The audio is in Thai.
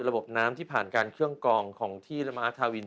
ระบบน้ำที่ผ่านการเครื่องกองของที่ละมหาธาวิน